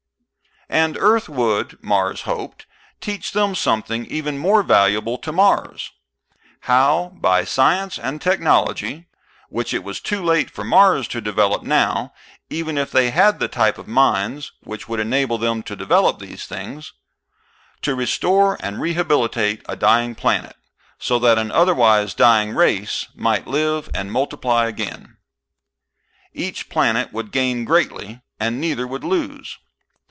And Earth would, Mars hoped, teach them something even more valuable to Mars: how, by science and technology which it was too late for Mars to develop now, even if they had the type of minds which would enable them to develop these things to restore and rehabilitate a dying planet, so that an otherwise dying race might live and multiply again. Each planet would gain greatly, and neither would lose.